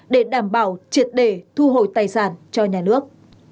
để đảm bảo triệt để thu hồi tài sản cho nhà nước